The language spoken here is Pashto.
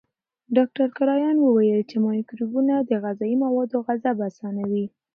ډاکټر کرایان وویل چې مایکروبونه د غذایي موادو جذب اسانوي.